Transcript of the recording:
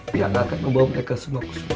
dan akan membawa mereka semua ke surga